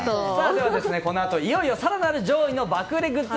では、このあといよいよ更なる上位の爆売れグッズ